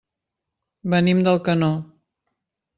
Venim d'Alcanó.